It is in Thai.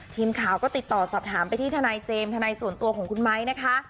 ทีมข่าวก็ติดต่อสอบถามไปที่ทนายเจมส์ทนายส่วนตัวของคุณไม้นะคะ